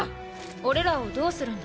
おれらをどうするんだ？